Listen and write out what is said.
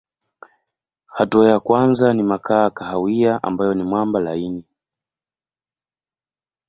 Hatua ya kwanza ni makaa kahawia ambayo ni mwamba laini.